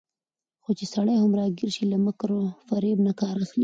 خو چې سړى هم راګېر شي، له مکر وفرېب نه کار اخلي